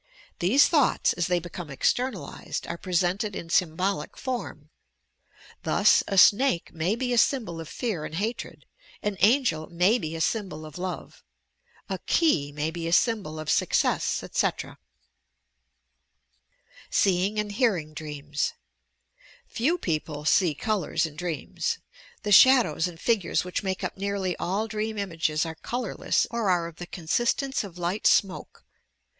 These thoughts, as they become externalized, are presented in symbolic 136 TOUB PSYCHIC POWERS form. Thus, a snake may be a symbol of fear and hatred; an angel may be a symbol of love; a key may be a symbol of success, etc. SEEIXO AND HEARINQ m DBEAMS Pew people see colours in dreams. The shadows and figures which make up nearly all dream images are colourless or are of the consistence of light smoke.